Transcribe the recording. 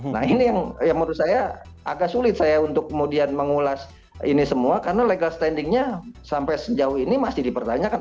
nah ini yang menurut saya agak sulit saya untuk kemudian mengulas ini semua karena legal standingnya sampai sejauh ini masih dipertanyakan